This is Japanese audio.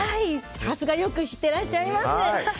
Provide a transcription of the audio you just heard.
さすがよく知ってらっしゃいます。